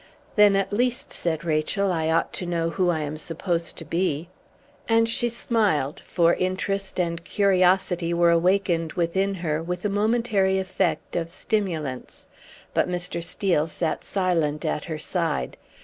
"Then at least," said Rachel, "I ought to know who I am supposed to be." And she smiled, for interest and curiosity were awakened within her, with the momentary effect of stimulants; but Mr. Steel sat silent at her side.